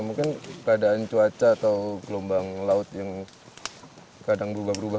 mungkin keadaan cuaca atau gelombang laut yang kadang berubah berubah